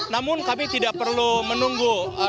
namun kami tidak perlu menunggu